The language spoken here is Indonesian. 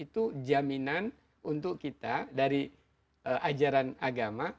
itu jaminan untuk kita dari ajaran agama